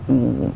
để đưa ra